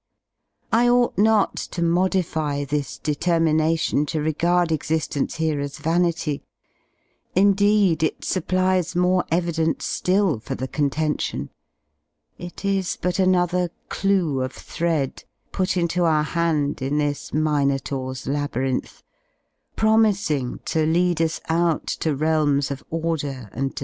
I ought not to modify this determination to regard exigence here as vanity: indeed it supplies more evidence sT:ill for the contention: it is but another clue of thread put into our hand in this minotaur's labyrinyi, promising to lead us out to realms of order and